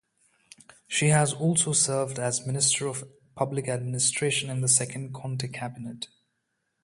She has also served as Minister of Public Administration in the second Conte Cabinet.